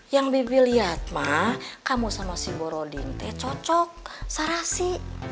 yang bibi liat ma kamu sama si boroding teh cocok sarasi